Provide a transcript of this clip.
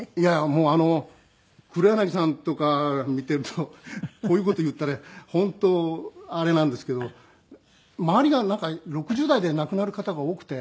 もうあの黒柳さんとか見てるとこういう事言ったら本当あれなんですけど周りがなんか６０代で亡くなる方が多くて。